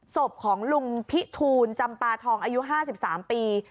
ศพของลุงพิทูลจำปาทองอายุ๕๓ปี